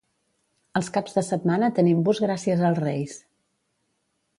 Els caps de setmana tenim bus gràcies als reis.